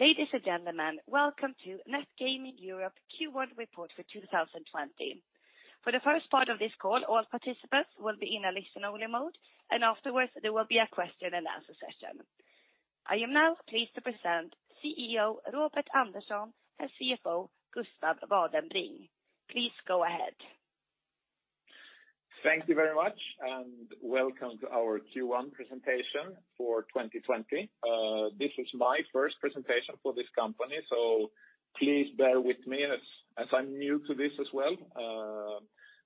Ladies and gentlemen, welcome to Net Gaming Europe Q1 report for 2020. For the first part of this call, all participants will be in a listen-only mode, and afterwards there will be a question-and-answer session. I am now pleased to present CEO Robert Andersson and CFO Gustav Vadenbring. Please go ahead. Thank you very much, and welcome to our Q1 presentation for 2020. This is my first presentation for this company, so please bear with me as I'm new to this as well.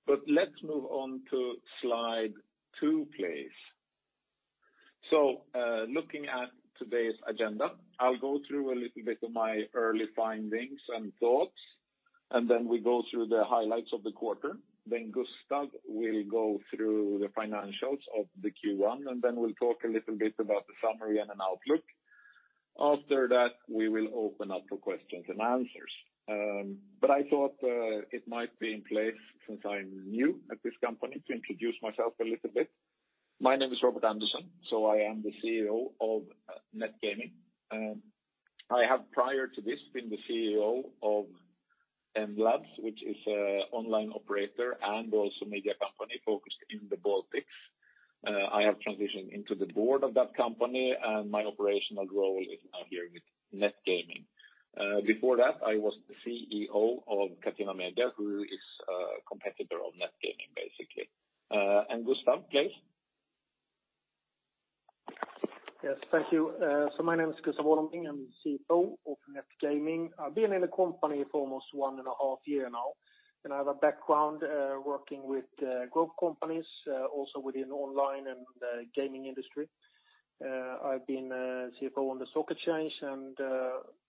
But let's move on to slide two, please. So looking at today's agenda, I'll go through a little bit of my early findings and thoughts, and then we go through the highlights of the quarter. Then Gustav will go through the financials of the Q1, and then we'll talk a little bit about the summary and an outlook. After that, we will open up for questions and answers. But I thought it might be in place, since I'm new at this company, to introduce myself a little bit. My name is Robert Andersson, so I am the CEO of Net Gaming Europe. I have, prior to this, been the CEO of Enlabs, which is an online operator and also a media company focused in the Baltics. I have transitioned into the board of that company, and my operational role is now here with Net Gaming Europe. Before that, I was the CEO of Catena Media, who is a competitor of Net Gaming Europe, basically. And Gustav, please. Yes, thank you. So my name is Gustav Vadenbring. I'm the CFO of Net Gaming Europe. I've been in the company for almost one and a half years now, and I have a background working with growth companies, also within the online and gaming industry. I've been CFO on the stock exchange, and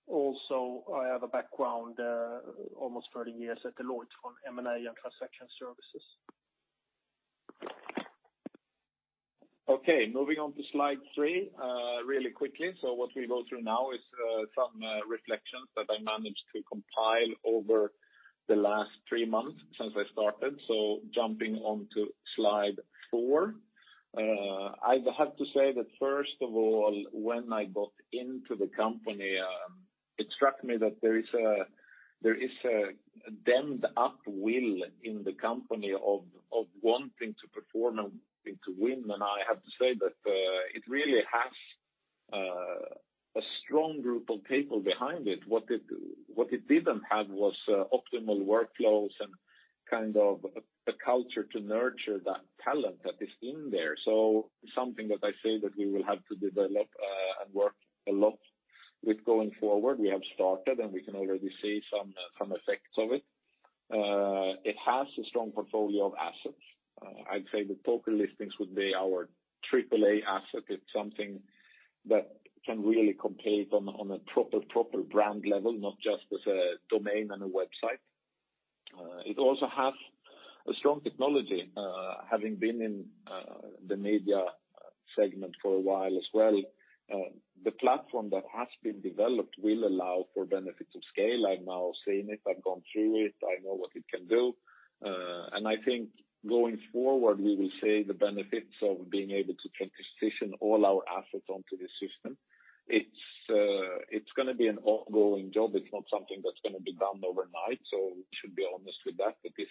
also I have a background, almost 30 years, at Deloitte for M&A and transaction services. Okay, moving on to slide three really quickly. So what we'll go through now is some reflections that I managed to compile over the last three months since I started. So jumping on to slide four, I have to say that, first of all, when I got into the company, it struck me that there is a dammed-up will in the company of wanting to perform and wanting to win. And I have to say that it really has a strong group of people behind it. What it didn't have was optimal workflows and kind of a culture to nurture that talent that is in there. So something that I say that we will have to develop and work a lot with going forward. We have started, and we can already see some effects of it. It has a strong portfolio of assets. I'd say the PokerListings would be our triple-A asset. It's something that can really compete on a proper, proper brand level, not just as a domain and a website. It also has a strong technology. Having been in the media segment for a while as well, the platform that has been developed will allow for benefits of scale. I've now seen it. I've gone through it. I know what it can do. And I think going forward, we will see the benefits of being able to transition all our assets onto the system. It's going to be an ongoing job. It's not something that's going to be done overnight, so we should be honest with that. But this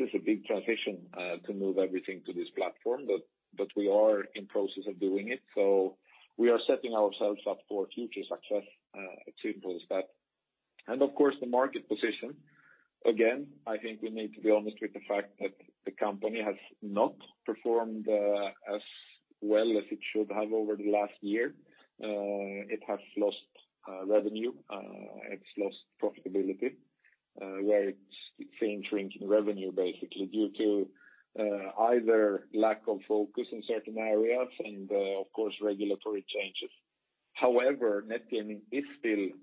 is a big transition to move everything to this platform, but we are in the process of doing it. So we are setting ourselves up for future success as simple as that. And of course, the market position. Again, I think we need to be honest with the fact that the company has not performed as well as it should have over the last year. It has lost revenue. It's lost profitability, where it's seen shrinking revenue, basically, due to either lack of focus in certain areas and, of course, regulatory changes. However, Net Gaming Europe is still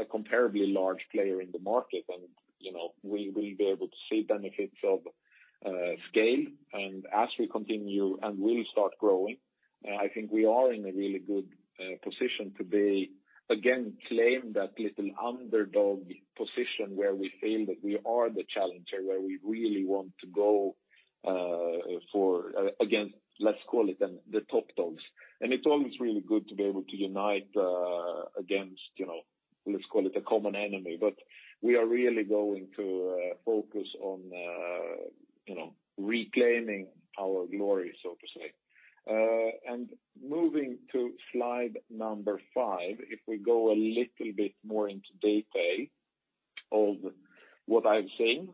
a comparably large player in the market, and we will be able to see benefits of scale. And as we continue and will start growing, I think we are in a really good position to be, again, claim that little underdog position where we feel that we are the challenger, where we really want to go for, again, let's call it the top dogs. It's always really good to be able to unite against, let's call it a common enemy. We are really going to focus on reclaiming our glory, so to say. Moving to slide number five, if we go a little bit more into detail, what I've seen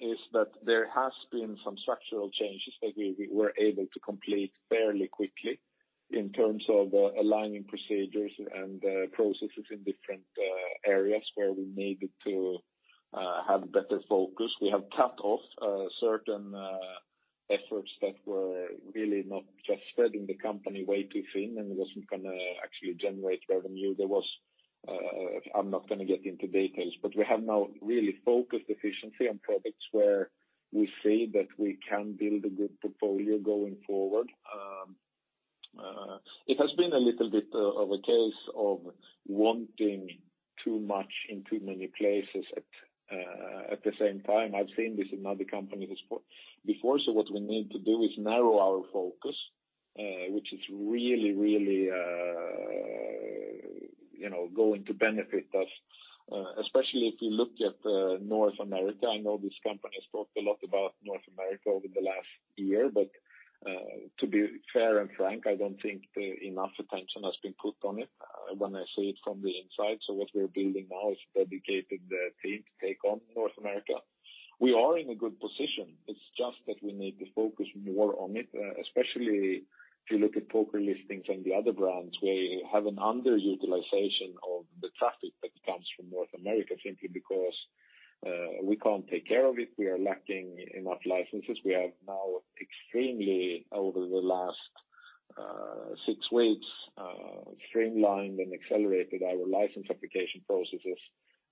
is that there have been some structural changes that we were able to complete fairly quickly in terms of aligning procedures and processes in different areas where we needed to have better focus. We have cut off certain efforts that were really not just spread in the company way too thin, and it wasn't going to actually generate revenue. There was, I'm not going to get into details, but we have now really focused efficiency on products where we see that we can build a good portfolio going forward. It has been a little bit of a case of wanting too much in too many places at the same time. I've seen this in other companies before. So what we need to do is narrow our focus, which is really, really going to benefit us, especially if you look at North America. I know this company has talked a lot about North America over the last year, but to be fair and frank, I don't think enough attention has been put on it when I see it from the inside. So what we're building now is a dedicated team to take on North America. We are in a good position. It's just that we need to focus more on it, especially if you look at PokerListings and the other brands. We have an underutilization of the traffic that comes from North America simply because we can't take care of it. We are lacking enough licenses. We have now extremely, over the last six weeks, streamlined and accelerated our license application processes,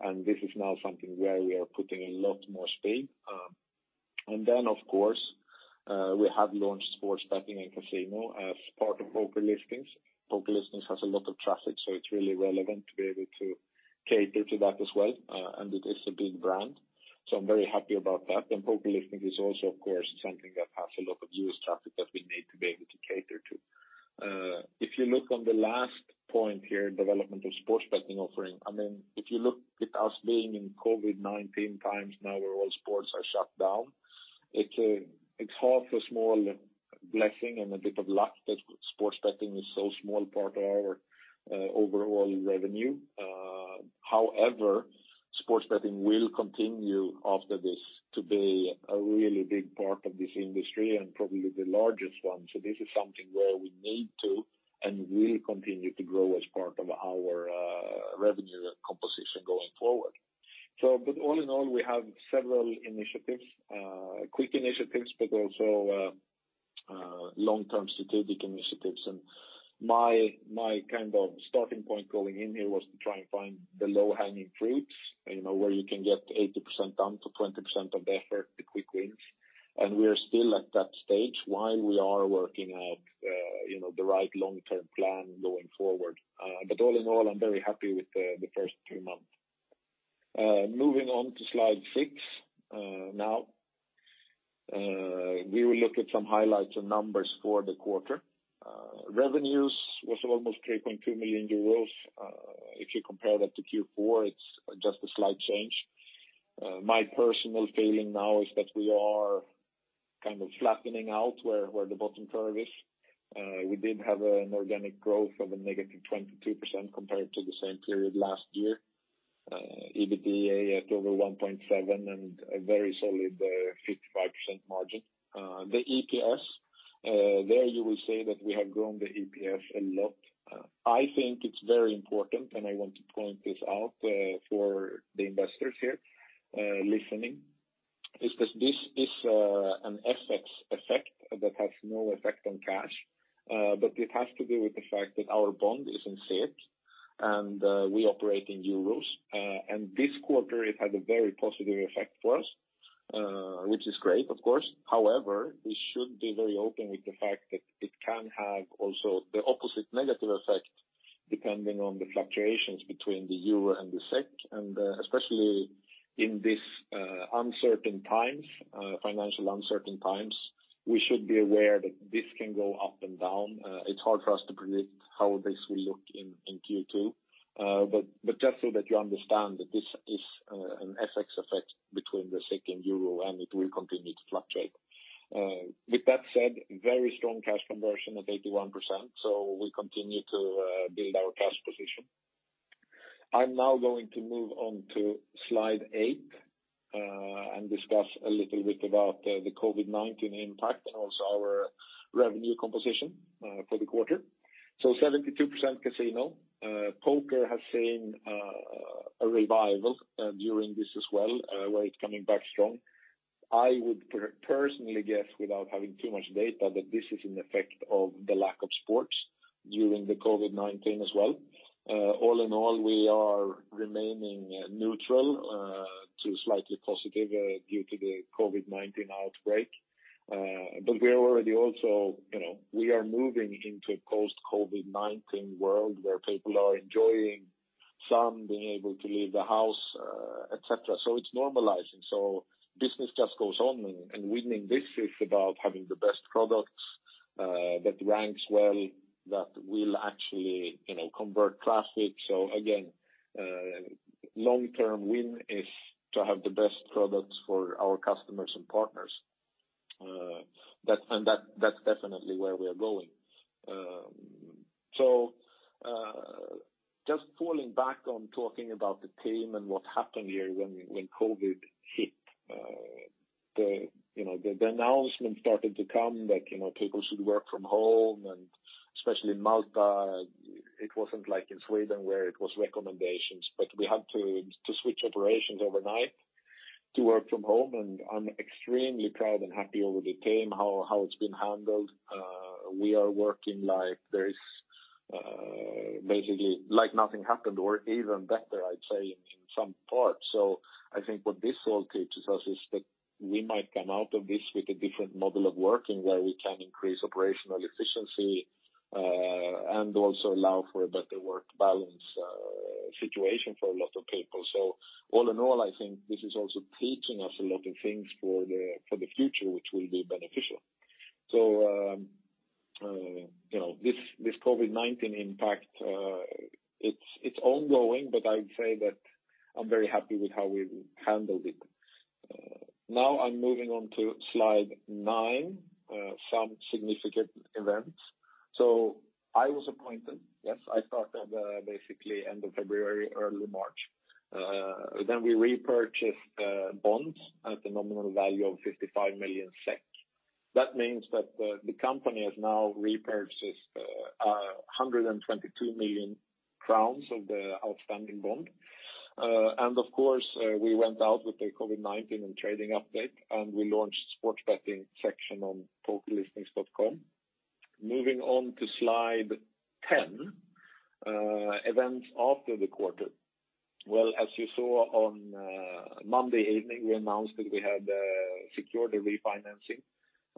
and this is now something where we are putting a lot more speed. And then, of course, we have launched sports betting and casino as part of PokerListings. PokerListings has a lot of traffic, so it's really relevant to be able to cater to that as well. And it is a big brand, so I'm very happy about that. And PokerListings is also, of course, something that has a lot of used traffic that we need to be able to cater to. If you look on the last point here, development of sports betting offering, I mean, if you look at us being in COVID-19 times now where all sports are shut down, it's half a small blessing and a bit of luck that sports betting is so small part of our overall revenue. However, sports betting will continue after this to be a really big part of this industry and probably the largest one, so this is something where we need to and will continue to grow as part of our revenue composition going forward, but all in all, we have several initiatives, quick initiatives, but also long-term strategic initiatives, and my kind of starting point going in here was to try and find the low-hanging fruits where you can get 80%-20% of the effort, the quick wins. And we are still at that stage while we are working out the right long-term plan going forward. But all in all, I'm very happy with the first two months. Moving on to slide six now, we will look at some highlights and numbers for the quarter. Revenues was almost 3.2 million euros. If you compare that to Q4, it's just a slight change. My personal feeling now is that we are kind of flattening out where the bottom curve is. We did have an organic growth of a negative 22% compared to the same period last year. EBITDA at over 1.7 and a very solid 55% margin. The EPS, there you will see that we have grown the EPS a lot. I think it's very important, and I want to point this out for the investors here listening, is that this is an FX effect that has no effect on cash, but it has to do with the fact that our bond is in SEK, and we operate in euros. And this quarter, it had a very positive effect for us, which is great, of course. However, we should be very open with the fact that it can have also the opposite negative effect depending on the fluctuations between the euro and the SEK. And especially in these uncertain times, financial uncertain times, we should be aware that this can go up and down. It's hard for us to predict how this will look in Q2, but just so that you understand that this is an FX effect between the SEK and euro, and it will continue to fluctuate. With that said, very strong cash conversion at 81%, so we continue to build our cash position. I'm now going to move on to slide eight and discuss a little bit about the COVID-19 impact and also our revenue composition for the quarter, so 72% casino. Poker has seen a revival during this as well, where it's coming back strong. I would personally guess, without having too much data, that this is an effect of the lack of sports during the COVID-19 as well. All in all, we are remaining neutral to slightly positive due to the COVID-19 outbreak, but we are already also moving into a post-COVID-19 world where people are enjoying some, being able to leave the house, etc., so it's normalizing, so business just goes on, and winning this is about having the best products that rank well, that will actually convert traffic. So again, long-term win is to have the best products for our customers and partners. And that's definitely where we are going. So just falling back on talking about the team and what happened here when COVID hit. The announcement started to come that people should work from home, and especially in Malta, it wasn't like in Sweden where it was recommendations, but we had to switch operations overnight to work from home. And I'm extremely proud and happy over the team, how it's been handled. We are working like there is basically like nothing happened, or even better, I'd say, in some parts. So I think what this all teaches us is that we might come out of this with a different model of working where we can increase operational efficiency and also allow for a better work balance situation for a lot of people. All in all, I think this is also teaching us a lot of things for the future, which will be beneficial. This COVID-19 impact, it's ongoing, but I'd say that I'm very happy with how we handled it. Now I'm moving on to slide nine, some significant events. I was appointed, yes, I started basically end of February, early March. Then we repurchased bonds at a nominal value of 55 million SEK. That means that the company has now repurchased 122 million crowns of the outstanding bond. Of course, we went out with the COVID-19 and trading update, and we launched sports betting section on PokerListings.com. Moving on to slide ten, events after the quarter. As you saw on Monday evening, we announced that we had secured the refinancing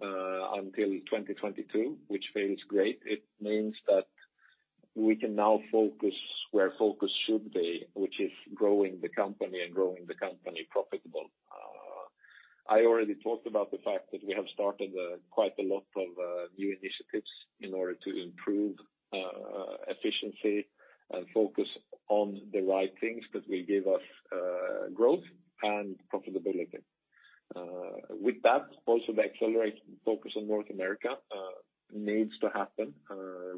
until 2022, which feels great. It means that we can now focus where focus should be, which is growing the company and growing the company profitable. I already talked about the fact that we have started quite a lot of new initiatives in order to improve efficiency and focus on the right things that will give us growth and profitability. With that, also the accelerated focus on North America needs to happen.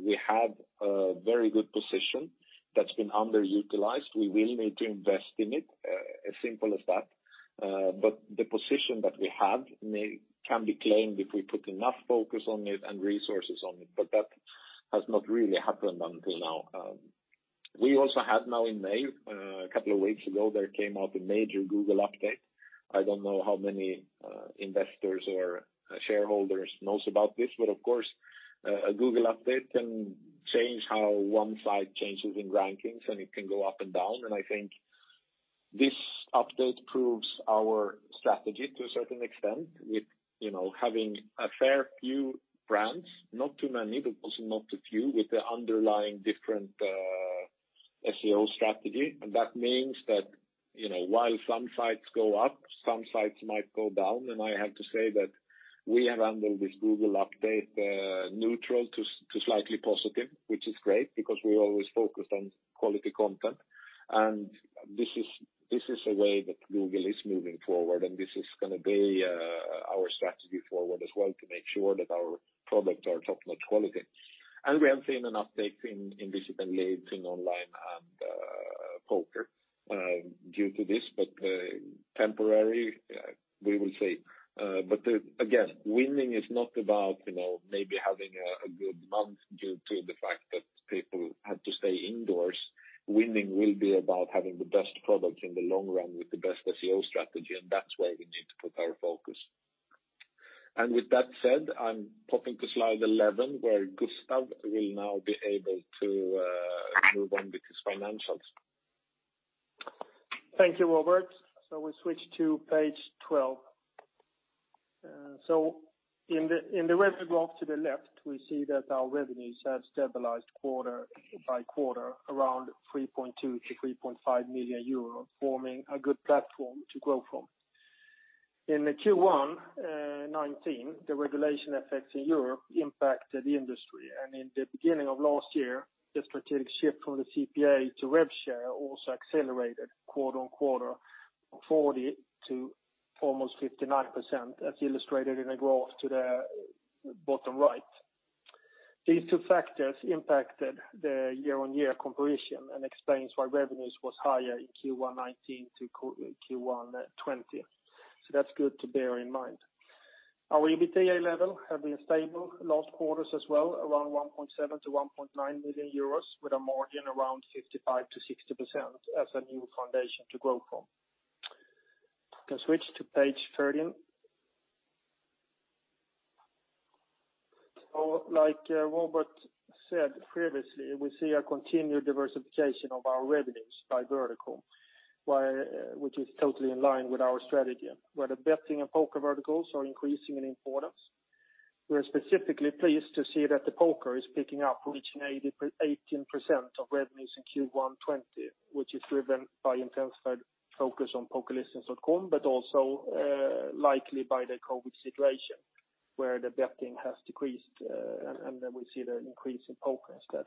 We have a very good position that's been underutilized. We will need to invest in it, as simple as that. But the position that we have can be claimed if we put enough focus on it and resources on it, but that has not really happened until now. We also had now in May, a couple of weeks ago, there came out a major Google update. I don't know how many investors or shareholders know about this, but of course, a Google update can change how one site changes in rankings, and it can go up and down, and I think this update proves our strategy to a certain extent with having a fair few brands, not too many, but also not too few, with the underlying different SEO strategy, and that means that while some sites go up, some sites might go down, and I have to say that we have handled this Google update neutral to slightly positive, which is great because we always focus on quality content, and this is a way that Google is moving forward, and this is going to be our strategy forward as well to make sure that our products are top-notch quality. We have seen an update in visits and leads, in online and poker due to this, but temporary. We will see. Again, winning is not about maybe having a good month due to the fact that people had to stay indoors. Winning will be about having the best product in the long run with the best SEO strategy, and that's where we need to put our focus. With that said, I'm popping to slide 11 where Gustav will now be able to move on with his financials. Thank you, Robert. We switch to page 12. In the web graph to the left, we see that our revenues have stabilized quarter by quarter around 3.2 million-3.5 million euros, forming a good platform to grow from. In Q1 2019, the regulation effects in Europe impacted the industry. In the beginning of last year, the strategic shift from the CPA to Revenue Share also accelerated quarter on quarter from 40% to almost 59%, as illustrated in the graph to the bottom right. These two factors impacted the year-on-year composition and explains why revenues were higher in Q1 2019 to Q1 2020. So that's good to bear in mind. Our EBITDA level has been stable last quarter as well, around 1.7-1.9 million euros, with a margin around 55%-60% as a new foundation to grow from. We can switch to page 13. So like Robert said previously, we see a continued diversification of our revenues by vertical, which is totally in line with our strategy, where the betting and poker verticals are incrincureasing in importance. We are specifically pleased to see that the poker is picking up, reaching 18% of revenues in Q1 2020, which is driven by intensified focus on PokerListings.com, but also likely by the COVID situation where the betting has decreased, and we see the increase in poker instead.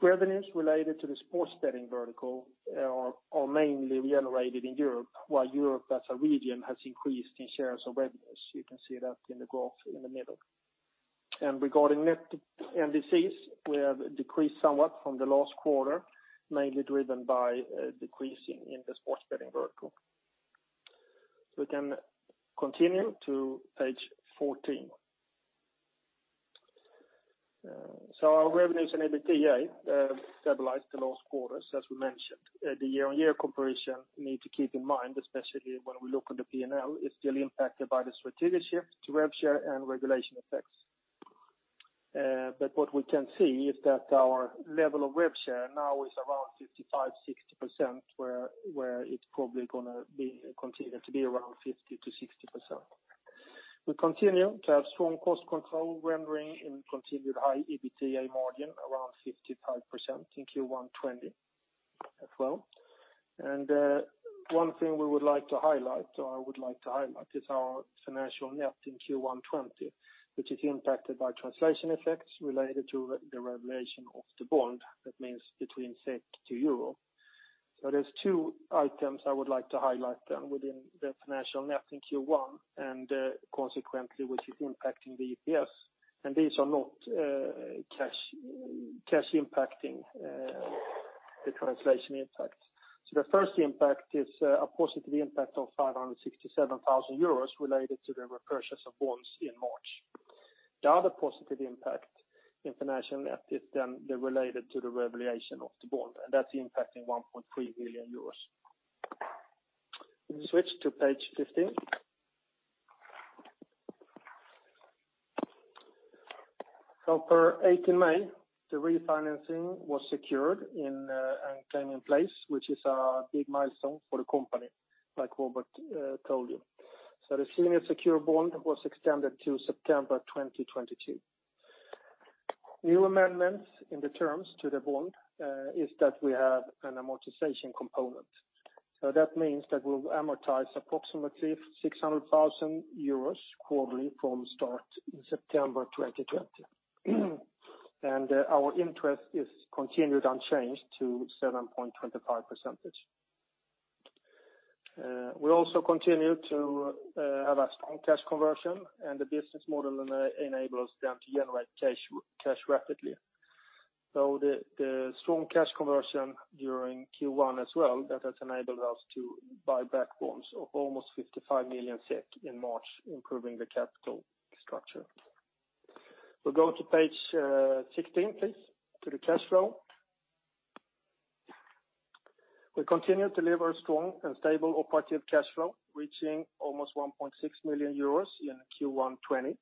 Revenues related to the sports betting vertical are mainly generated in Europe, while Europe as a region has increased in shares of revenues. You can see that in the graph in the middle. And regarding net NDCs, we have decreased somewhat from the last quarter, mainly driven by decreasing in the sports betting vertical. So we can continue to page 14. So our revenues and EBITDA stabilized the last quarter, as we mentioned. The year-on-year comparison needs to keep in mind, especially when we look at the P&L, is still impacted by the strategic shift to revenue share and regulation effects. But what we can see is that our level of revenue share now is around 55%-60%, where it's probably going to continue to be around 50%-60%. We continue to have strong cost control and continued high EBITDA margin, around 55% in Q1 2020 as well. One thing we would like to highlight, or I would like to highlight, is our financial net in Q1 2020, which is impacted by translation effects related to the revaluation of the bond. That means between SEK and EUR. So there's two items I would like to highlight then within the financial net in Q1 and consequently, which is impacting the EPS. And these are not cash impacting. The translation impact. So the first impact is a positive impact of 567,000 euros related to the repurchase of bonds in March. The other positive impact in financial net is then related to the revaluation of the bond, and that's impacting 1.3 million euros. We can switch to page 15. For 18 May, the refinancing was secured and came in place, which is a big milestone for the company, like Robert told you. The senior secured bond was extended to September 2022. New amendments in the terms to the bond is that we have an amortization component. That means that we'll amortize approximately 600,000 euros quarterly from start in September 2020. Our interest is continued unchanged at 7.25%. We also continue to have a strong cash conversion, and the business model enables them to generate cash rapidly. The strong cash conversion during Q1 as well, that has enabled us to buy back bonds of almost 55 million SEK in March, improving the capital structure. We'll go to page 16, please, to the cash flow. We continue to deliver strong and stable operating cash flow, reaching almost 1.6 million euros in Q1 2020.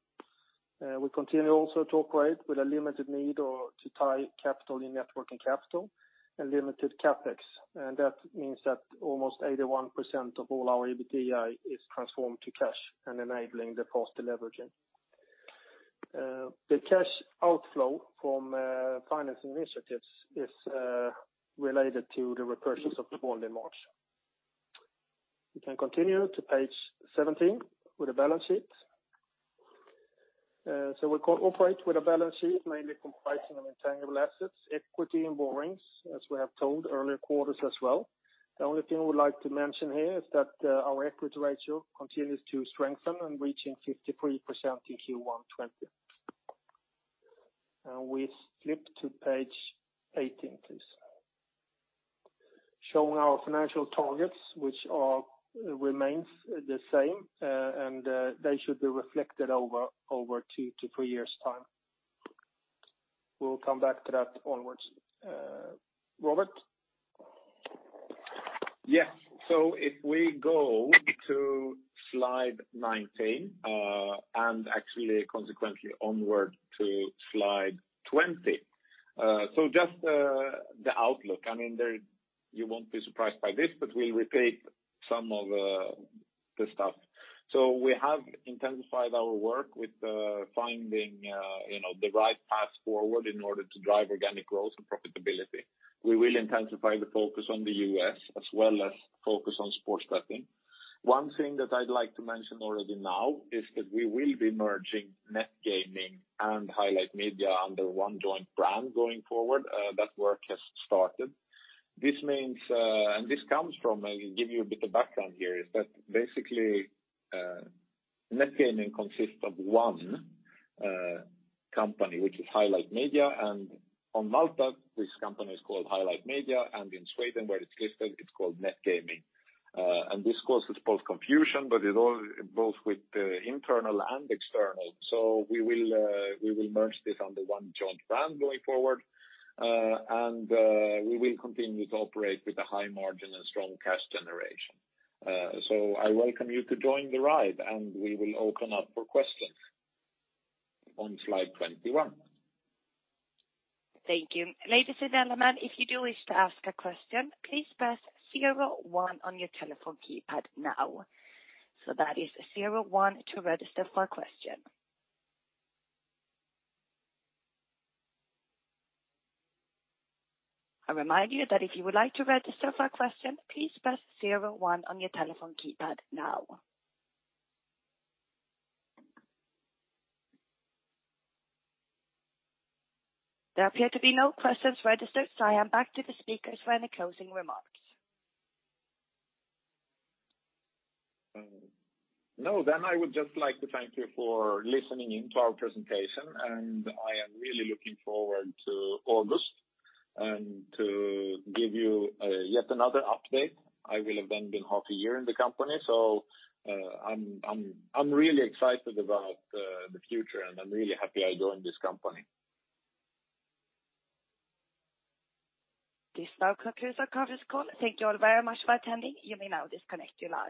We continue also to operate with a limited need to tie capital in working capital and limited CapEx. That means that almost 81% of all our EBITDA is transformed to cash and enabling the cost of leveraging. The cash outflow from financing initiatives is related to the repurchase of the bond in March. We can continue to page 17 with the balance sheet. We operate with a balance sheet mainly comprising of intangible assets, equity, and borrowings, as we have told earlier quarters as well. The only thing we'd like to mention here is that our equity ratio continues to strengthen and reaching 53% in Q1 2020. We flip to page 18, please, showing our financial targets, which remain the same, and they should be reflected over two to three years' time. We'll come back to that onward. Robert? Yes. If we go to slide 19 and actually consequently onward to slide 20, just the outlook, I mean, you won't be surprised by this, but we'll repeat some of the stuff. We have intensified our work with finding the right path forward in order to drive organic growth and profitability. We will intensify the focus on the U.S. as well as focus on sports betting. One thing that I'd like to mention already now is that we will be merging Net Gaming and Highlight Media under one joint brand going forward. That work has started. This means, and this comes from. I'll give you a bit of background here. Basically Net Gaming consists of one company, which is Highlight Media. In Malta, this company is called Highlight Media, and in Sweden, where it is listed, it is called Net Gaming. This causes both confusion, both with internal and external. We will merge this under one joint brand going forward, and we will continue to operate with a high margin and strong cash generation. I welcome you to join the ride, and we will open up for questions on slide 21. Thank you. Ladies and gentlemen, if you do wish to ask a question, please press 01 on your telephone keypad now. That is 01 to register for a question. I remind you that if you would like to register for a question, please press 01 on your telephone keypad now. There appear to be no questions registered, so I am back to the speakers for any closing remarks. No, then I would just like to thank you for listening in to our presentation, and I am really looking forward to August and to give you yet another update. I will have then been half a year in the company, so I'm really excited about the future, and I'm really happy I joined this company. Gustav Vadenbring. The call is over. Thank you all very much for attending. You may now disconnect your line.